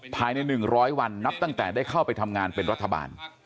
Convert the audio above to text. ภายใน๑๐๐วันนับตั้งแต่ได้เข้าไปทำงานเป็นรัฐบาล